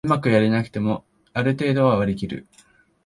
うまくやれなくてもある程度は割りきる